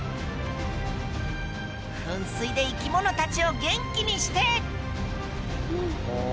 噴水で生き物たちを元気にしてえ！